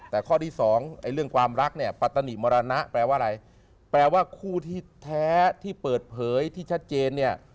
แต่ข้อที่สองเรื่องความรักเนี่ยปัตตนิมรณะแปลว่าอะไรแปลว่าคู่ที่แท้ที่เปิดเผยที่ชัดเจนเนี่ย